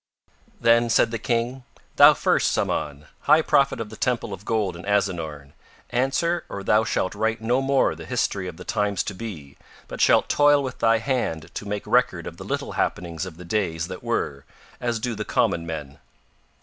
Then said the King: "Thou first, Samahn, High Prophet of the Temple of gold in Azinorn, answer or thou shalt write no more the history of the times to be, but shalt toil with thy hand to make record of the little happenings of the days that were, as do the common men."